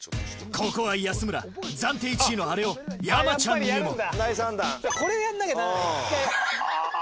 ここは安村暫定１位のあれを山ちゃんにもあ。